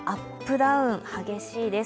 ダウン激しいです。